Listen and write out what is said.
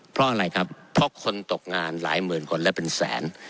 เพราะอะไรครับเพราะคนตกงานหลายหมื่นคนและเป็นแสน